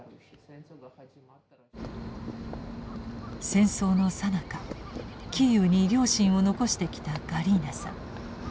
戦争のさなかキーウに両親を残してきたガリーナさん。